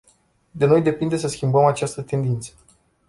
De noi depinde să schimbăm această tendință.